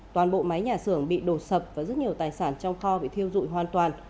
toàn bộ máy nhà xưởng bị đổ sập và rất nhiều tài sản trong kho bị thiêu dụi hoàn toàn